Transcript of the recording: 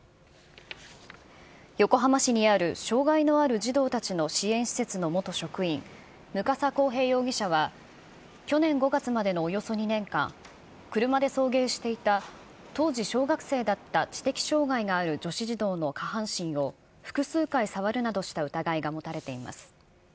横浜市にある障害のある児童たちの支援施設の元職員、向笠浩平容疑者は、去年５月までのおよそ２年間、車で送迎していた当時小学生だった知的障害がある女子児童の下半身を、複数回触るなどした疑いが持たれています。